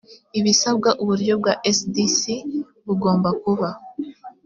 ibisabwa uburyo bwa sdc bugomba kuba